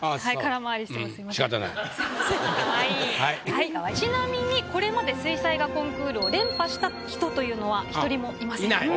はいちなみにこれまで水彩画コンクールを連覇した人というのは１人もいません。